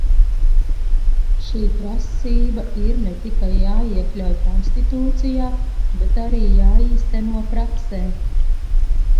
Šī prasība ir ne tikai jāiekļauj konstitūcijā, bet arī jāīsteno praksē.